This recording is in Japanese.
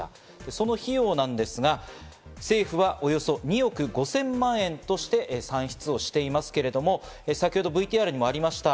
その費用なんですが政府はおよそ２億５０００万円として算出をしていますけれども、ＶＴＲにもありました。